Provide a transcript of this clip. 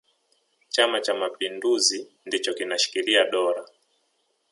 chama cha mapinduzi ndicho kinashikilia dola